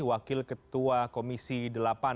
wakil ketua komisi delapan